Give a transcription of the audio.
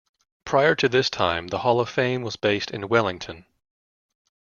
Prior to this time the Hall of Fame was based in Wellington.